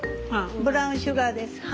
ブラウンシュガーです。